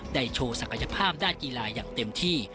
โชว์ศักยภาพด้านกีฬาอย่างเต็มที่